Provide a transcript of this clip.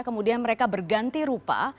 kemudian mereka berganti rupa